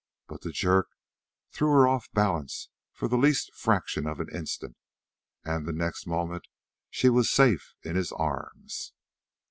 But the jerk threw her off balance for the least fraction of an instant, and the next moment she was safe in his arms.